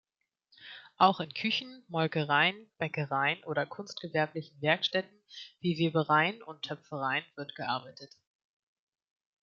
Auch in Küchen, Molkereien, Bäckereien oder kunstgewerblichen Werkstätten wie Webereien und Töpfereien wird gearbeitet.